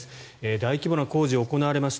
大規模な工事が行われました。